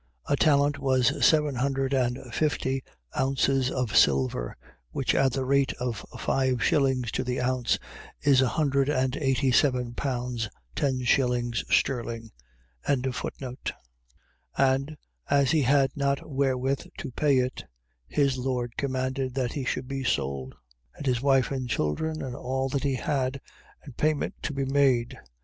. .A talent was seven hundred and fifty ounces of silver, which at the rate of five shillings to the ounce is a hundred and eighty seven pounds ten shillings sterling. 18:25. And as he had not wherewith to pay it, his lord commanded that he should be sold, and his wife and children, and all that he had, and payment to be made.